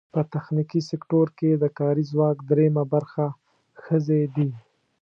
په تخنیکي سکټور کې د کاري ځواک درېیمه برخه ښځې دي.